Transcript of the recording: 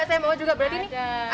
saya mau juga berarti nih